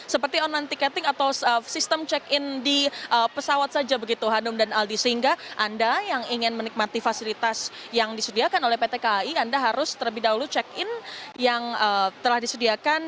seperti online ticketing atau sistem check in di pesawat saja begitu hanum dan aldi sehingga anda yang ingin menikmati fasilitas yang disediakan oleh pt kai anda harus terlebih dahulu check in yang telah disediakan